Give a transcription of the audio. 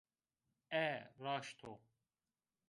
E, raşt o